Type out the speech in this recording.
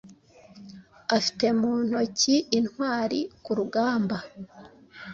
Afite mu ntokiintwari-ku rugamba